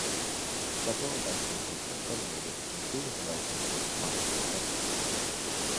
Several licenses were terminated including the license with Thomas the Tank Engine.